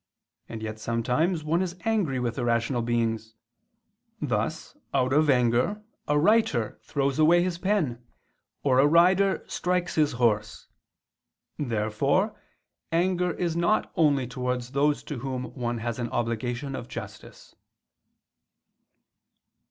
And yet sometimes one is angry with irrational beings; thus, out of anger, a writer throws away his pen, or a rider strikes his horse. Therefore anger is not only towards those to whom one has an obligation of justice.